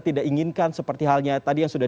tidak inginkan seperti halnya tadi yang sudah